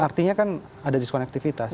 artinya kan ada diskonektivitas